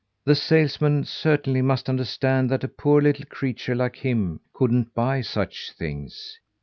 The salesman certainly must understand that a poor little creature like him couldn't buy such things.